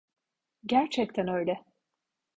Gerçekten öyle.